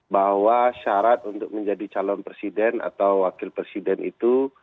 bahwa syarat untuk menjadi calon presiden atau wakil presiden itu